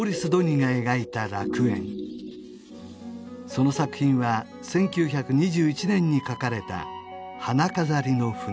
その作品は１９２１年に描かれた「花飾りの船」